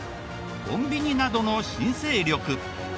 コンビニなどの新勢力。